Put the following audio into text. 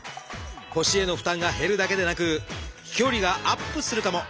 腰への負担が減るだけでなく飛距離がアップするかも！